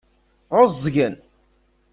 Ɛuẓgen?